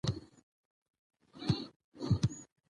خلک اوس په بازار کې د کارت له لارې سودا اخلي.